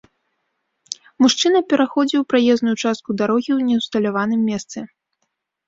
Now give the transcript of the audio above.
Мужчына пераходзіў праезную частку дарогі ў неўсталяваным месцы.